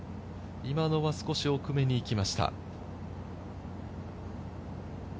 今のは少し奥めに行きました。